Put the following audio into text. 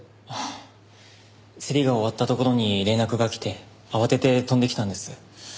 ああ競りが終わったところに連絡が来て慌てて飛んできたんです。